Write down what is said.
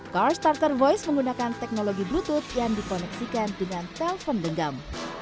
car starter voice menggunakan teknologi bluetooth yang dikoneksikan dengan telpon genggam